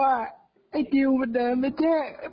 ไอ้จิลมันเดินไปแก้หัว